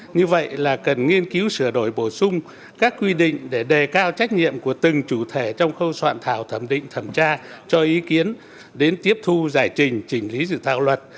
như vậy là cần nghiên cứu sửa đổi bổ sung các quy định để đề cao trách nhiệm của từng chủ thể trong khâu soạn thảo thẩm định thẩm tra cho ý kiến đến tiếp thu giải trình chỉnh lý dự thảo luật